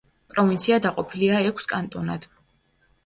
პროვინცია დაყოფილია ექვს კანტონად.